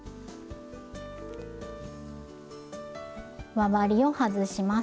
輪針を外します。